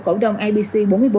cổ đông ipc bốn mươi bốn